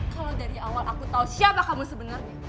kalau dari awal aku tahu siapa kamu sebenarnya